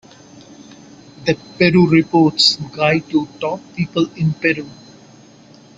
The Peru Report's Guide to Top People in Peru.